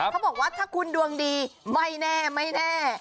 เขาบอกว่าถ้าคุณดวงดีไม่แน่